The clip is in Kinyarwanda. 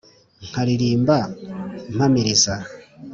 nkaririmba mpamiriza